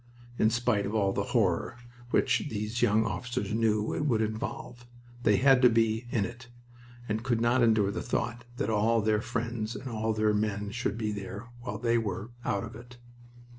In spite of all the horror which these young officers knew it would involve, they had to be "in it" and could not endure the thought that all their friends and all their men should be there while they were "out of it."